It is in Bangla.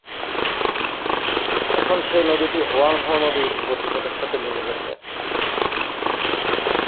এখন সেই নদীটি হুয়াং হো নদীর গতিপথের সাথে মিলে গেছে।